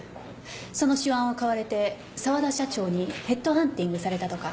その手腕を買われて沢田社長にヘッドハンティングされたとか。